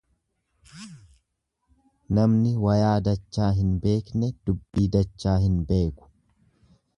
Namni wayaa dachaa hin beekne, dubbii dachaa hin beeku.